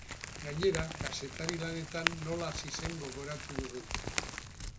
Gainera, kazetari lanetan nola hasi zen gogoratu dugu.